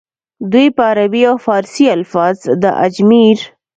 دوي به عربي او فارسي الفاظ د اجمېر